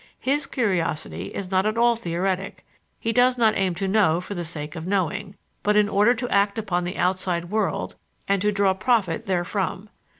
His curiosity is not at all theoretic; he does not aim to know for the sake of knowing, but in order to act upon the outside world and to draw profit therefrom.